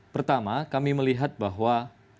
pertama kami melihat bahwa